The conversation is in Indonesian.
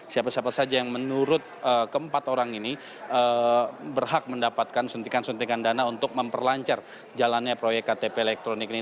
siapa siapa saja yang menurut keempat orang ini berhak mendapatkan suntikan suntikan dana untuk memperlancar jalannya proyek ktp elektronik ini